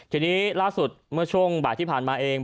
ทีนี้ล่าสุดเมื่อช่วงบ่ายที่ผ่านมาเอง